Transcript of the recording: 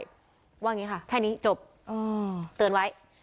ว่าอย่างนี้ค่ะแค่นี้จบเตือนไว้